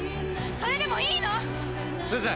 それでもいいの⁉すず！